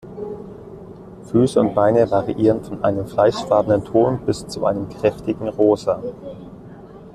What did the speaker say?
Füße und Beine variieren von einem fleischfarbenen Ton bis zu einem kräftigen Rosa.